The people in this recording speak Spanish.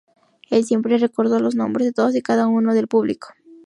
Él siempre recordó los nombres de todos y cada uno del público.